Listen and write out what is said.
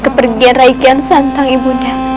kepergian rakyat santan ibu